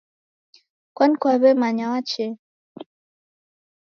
Kwani kwaw'emanya wachee